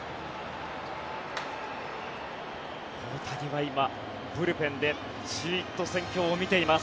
大谷は今、ブルペンでじっと戦況を見ています。